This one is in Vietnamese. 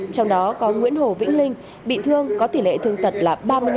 trong đó có nguyễn hồ vĩnh linh bị thương có tỷ lệ thương tật là ba mươi năm